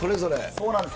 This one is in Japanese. そうなんです。